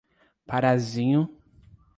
Parazinho